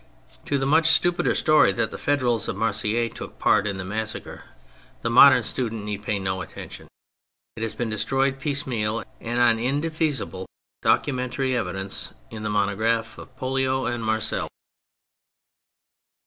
To the much stupider story that the Federals of Marseilles took part in the massacres, the modern student need pay no attention ; it has been destroyed piecemeal and on indefeasible documentary evidence in the monograph of Pollio and Marcel.